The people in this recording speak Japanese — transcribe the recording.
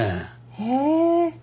へえ。